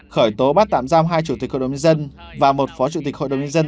khởi tố bắt tạm giam hai chủ tịch hội đồng nhân dân và một phó chủ tịch hội đồng nhân dân